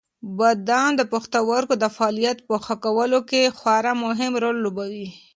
بادام د پښتورګو د فعالیت په ښه کولو کې خورا مهم رول لوبوي.